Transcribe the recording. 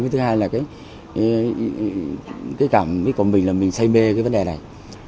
thứ hai là cái cảm giác của mình là mình say mê cái vấn đề này